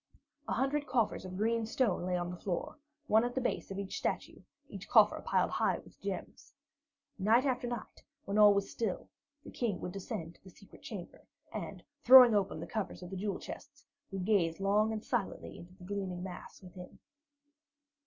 A hundred coffers of green stone lay on the floor, one at the base of each statue, each coffer piled high with gems. Night after night, when all was still, the King would descend to the secret chamber, and throwing open the covers of the jewel chests, would gaze long and silently into the gleaming mass within.